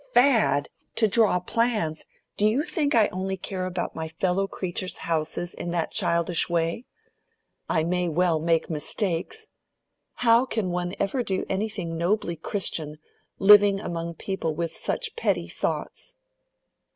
"Fad to draw plans! Do you think I only care about my fellow creatures' houses in that childish way? I may well make mistakes. How can one ever do anything nobly Christian, living among people with such petty thoughts?"